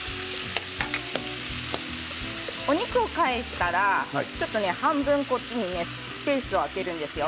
お肉を返したら半分こっちにスペースを空けるんですよ。